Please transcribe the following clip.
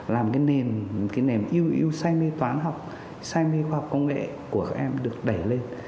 làm cái niềm yêu yêu say mê toán học say mê khoa học công nghệ của các em được đẩy lên